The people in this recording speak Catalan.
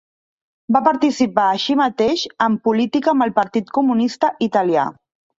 Va participar, així mateix, en política amb el Partit Comunista Italià.